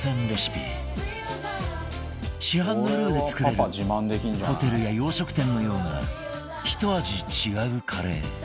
レシピ市販のルーで作れるホテルや洋食店のようなひと味違うカレー